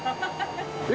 えっ？